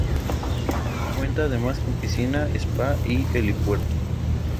Cuenta además con piscina, spa y helipuerto.